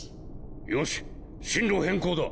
よし針路変更だ。